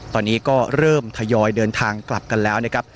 ตอนนี้ก็เริ่มทยอยเดินทางกลับกันแล้วนะครับ